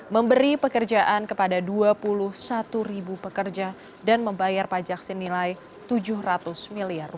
memberi pekerjaan kepada dua puluh satu pekerja dan membayar pajak senilai rp tujuh ratus miliar